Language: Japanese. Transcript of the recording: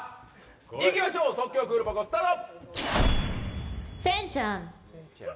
いきましょう即興クールポコスタート。